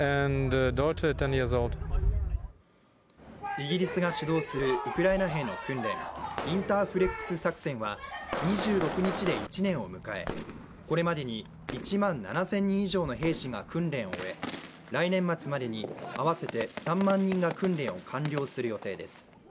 イギリスが主導するウクライナ兵の訓練、インターフレックス作戦は２６日で１年を迎えこれまでに１万７０００人以上の兵士が訓練を終え来年末までに合わせて３万人が訓練を完了する予定です。